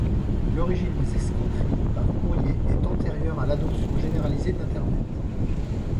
L'origine des escroqueries par courrier est antérieure à l'adoption généralisée de l'Internet.